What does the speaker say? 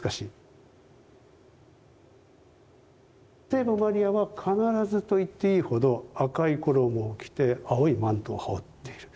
聖母マリアは必ずと言っていいほど赤い衣を着て青いマントを羽織っている。